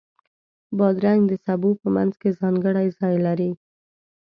بادرنګ د سبو په منځ کې ځانګړی ځای لري.